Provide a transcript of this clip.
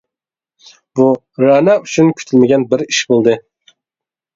بۇ رەنا ئۈچۈن كۈتۈلمىگەن بىر ئىش بولدى.